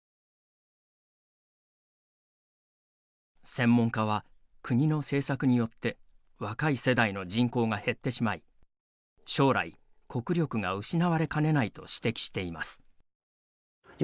専門家は国の政策によって若い世代の人口が減ってしまい将来、国力が失われかねないと指摘しています。